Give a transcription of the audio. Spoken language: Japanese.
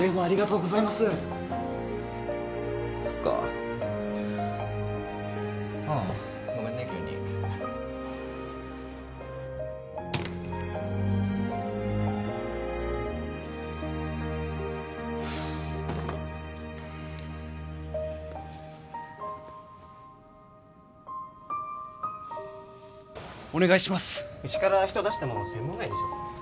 うちから人出しても専門外でしょ。